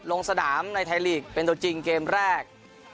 ลงสนามในไทยลีกเป็นตัวจริงเกมแรก